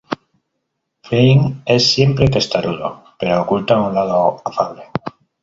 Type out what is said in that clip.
Flint es siempre testarudo, pero oculta un lado afable.